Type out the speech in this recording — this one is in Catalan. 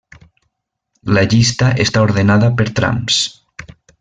La llista està ordenada per trams.